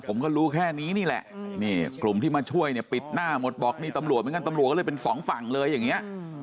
ผมก็รู้แค่นี้นี่แหละคลุมที่มาช่วยปิดหน้าหมดบอกมีตำรวจตำรวจก็เลยเป็นสองฝั่งเลยอย่างนี้